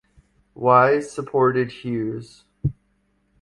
Wise supported Hughes.